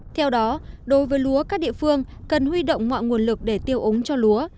theo đó đối với lúa các địa phương cần huy động mọi nguồn lực để tiêu úng cho lúa